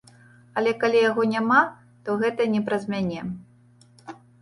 Але калі яго няма, то гэта не праз мяне.